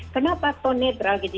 kenapa tone netral gitu